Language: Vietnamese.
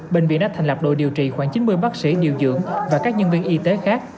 bệnh viện đã thành lập đội điều trị khoảng chín mươi bác sĩ điều dưỡng và các nhân viên y tế khác